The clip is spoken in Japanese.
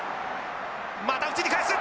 また内に返す！